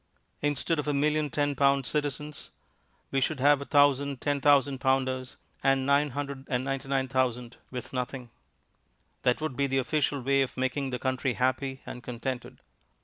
Instead of a million ten pound citizens, we should have a thousand ten thousand pounders and 999,000 with nothing. That would be the official way of making the country happy and contented.